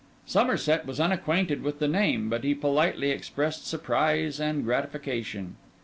Somerset was unacquainted with the name, but he politely expressed surprise and gratification.